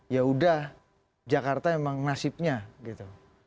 yaudah jakarta memang nasibnya gitu